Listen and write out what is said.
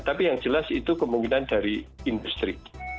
tapi yang jelas itu kemungkinan dari industri